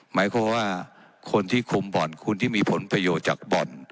หมายความว่าคนที่คุมบ่อนคุณที่มีผลประโยชน์จากบ่อน